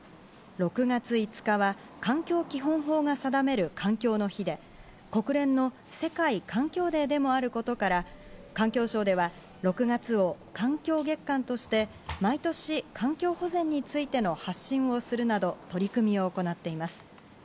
６月５日は、環境基本法が定める環境の日で、国連の世界環境デーでもあることから、環境省は６月を環境月間として、毎年、環境保全についての発信をするなど、取り組みを行っています。